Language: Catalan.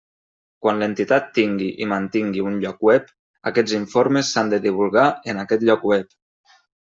Quan l'entitat tingui i mantingui un lloc web, aquests informes s'han de divulgar en aquest lloc web.